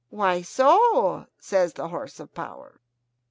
"Why so?" says the horse of power.